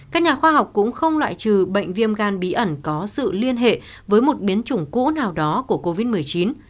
các nhà khoa học cũng không loại trừ bệnh viêm gan bí ẩn có sự liên hệ với một biến chủng cũ nào đó của covid một mươi chín